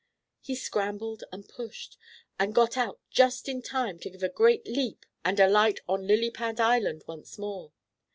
He scrambled and pushed, and got out just in time to give a great leap and alight on Lily Pad Island once more.